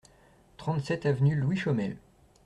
trente-sept avenue Louis Chaumel